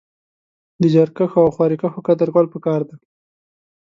د زيارکښو او خواريکښو قدر کول پکار دی